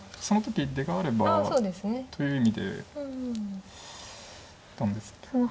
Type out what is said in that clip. その時出があればという意味で打ったんですけど。